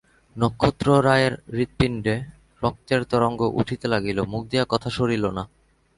নক্ষত্ররায়ের হৃৎপিণ্ডে রক্তের তরঙ্গ উঠিতে লাগিল, মুখ দিয়া কথা সরিল না।